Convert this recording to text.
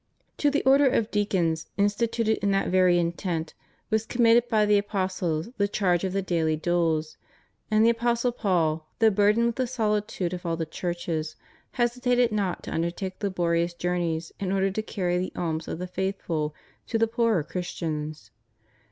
' To the order of Deacons, insti tuted in that very intent, was committed by the apostles the charge of the daily doles ; and the Apostle Paul, though burdened with the solicitude of all the churches, hesitated not to undertake laborious journeys in order to carry the alms of the faithful to the poorer Christians.